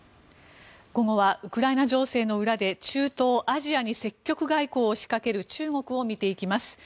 午後はウクライナ情勢の裏で中東・アジアに積極外交を仕掛ける中国を見ていきます。